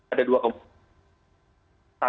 ada dua kebutuhan